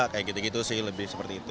kayak gitu gitu sih lebih seperti itu